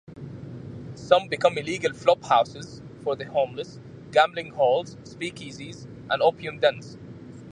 Some became illegal flophouses for the homeless, gambling halls, speakeasies, and opium dens.